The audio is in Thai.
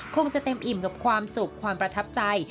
คงจะเต็มอิ่มกับความสุขความประทับใจ